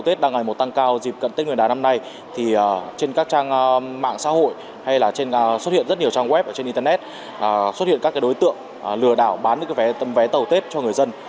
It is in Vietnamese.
trong web và trên internet xuất hiện các đối tượng lừa đảo bán những vé tàu tết cho người dân